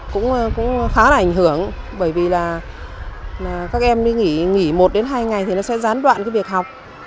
cũng khá là ảnh hưởng bởi vì là các em nghỉ một hai ngày thì nó sẽ gián đoạn việc học